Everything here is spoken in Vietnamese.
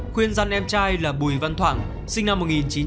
khuyên rằng em trai là bùi văn thoảng sinh năm một nghìn chín trăm chín mươi ba